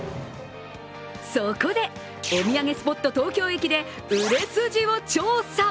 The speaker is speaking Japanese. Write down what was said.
そこで、お土産スポット東京駅で売れ筋を調査。